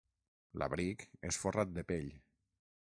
L'abric és forrat de pell.